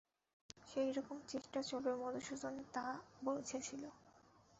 সেইরকম চেষ্টা চলবে মধুসূদন তা বুঝেছিল।